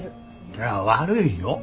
いや悪いよ。